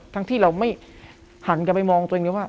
ที่เราไม่หันกลับไปมองตัวเองเลยว่า